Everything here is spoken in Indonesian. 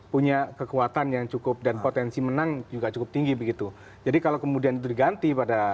punya kekuatan yang cukup dan potensi menang juga cukup tinggi begitu jadi kalau kemudian itu diganti pada